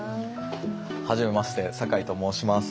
はじめまして酒井と申します。